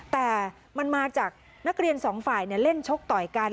แต่มันมาจากนักเรียนสองฝ่ายเล่นชกต่อยกัน